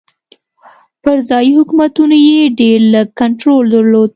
پر ځايي حکومتونو یې ډېر لږ کنټرول درلود.